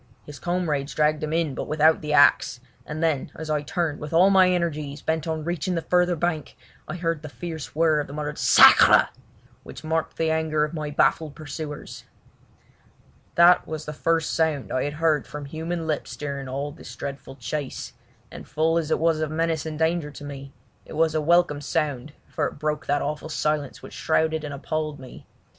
His comrades dragged him in but without the axe, and then as I turned with all my energies bent on reaching the further bank, I heard the fierce whirr of the muttered "Sacre!" which marked the anger of my baffled pursuers. That was the first sound I had heard from human lips during all this dreadful chase, and full as it was of menace and danger to me it was a welcome sound for it broke that awful silence which shrouded and appalled me.